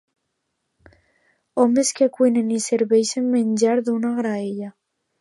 Homes que cuinen i serveixen menjar d'una graella.